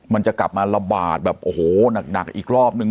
มันจะกลับมาระบาดแบบโอ้โหหนักอีกรอบนึง